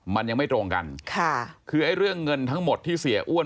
มันยังไม่ตรงกันค่ะคือไอ้เรื่องเงินทั้งหมดที่เสียอ้วน